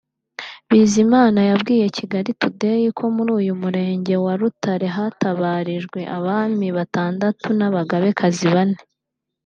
Bizimana yabwiye Kigali Today ko muri uyu Murenge wa Rutare hatabarijwe abami batandatu n’abagabekazi bane